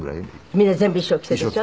みんな全部衣装着てでしょ。